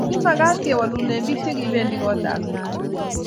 ki mekat ke wolune biik che bendi kootab saet